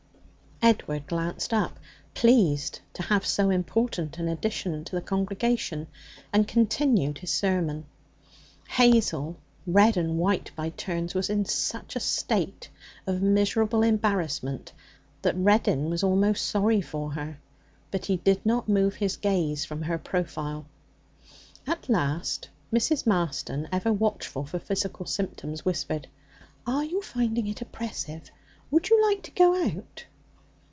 Edward glanced up, pleased to have so important an addition to the congregation, and continued his sermon. Hazel, red and white by turns, was in such a state of miserable embarrassment that Reddin was almost sorry for her. But he did not move his gaze from her profile. At last Mrs. Marston, ever watchful for physical symptoms, whispered, 'Are you finding it oppressive? Would you like to go out?'